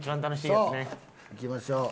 いきましょう。